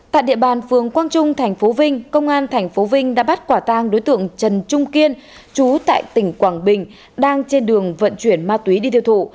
tại địa bàn phường quang trung thành phố vinh công an thành phố vinh đã bắt quả tang đối tượng trần trung kiên chú tại tỉnh quảng bình đang trên đường vận chuyển ma túy đi tiêu thụ